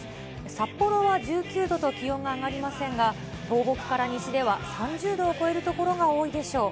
札幌は１９度と気温が上がりませんが、東北から西では３０度を超える所が多いでしょう。